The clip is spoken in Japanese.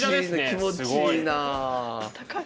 気持ちいいな。